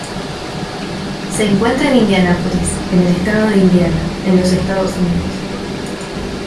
Se encuentra en Indianápolis, en el estado de Indiana, en los Estados Unidos.